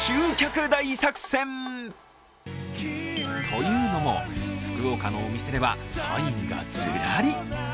というのも、福岡のお店ではサインがずらり。